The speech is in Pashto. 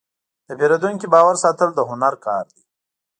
د پیرودونکي باور ساتل د هنر کار دی.